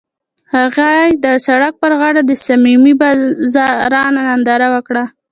هغوی د سړک پر غاړه د صمیمي باران ننداره وکړه.